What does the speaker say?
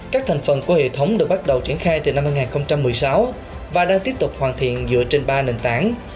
các thành phần của hệ thống được bắt đầu triển khai từ năm hai nghìn một mươi sáu và đang tiếp tục hoàn thiện dựa trên ba nền tảng